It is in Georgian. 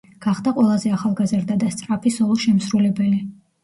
გახდა ყველაზე ახალგაზრდა და სწრაფი სოლო შემსრულებელი.